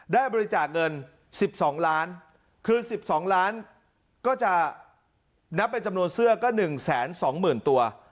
ได้บริจาคเงิน๑๒ล้านคือ๑๒ล้านก็จะนับเป็นจำนวนเสื้อก็๑๒๐๐๐ตัว